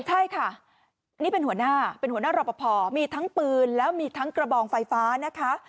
ใช่ค่ะนี่เป็นหัวหน้าเป็นหัวหน้ารอปภมีทั้งปืนแล้วมีทั้งกระบองไฟฟ้านะคะ